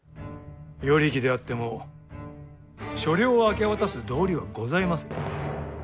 与力であっても所領を明け渡す道理はございませぬ。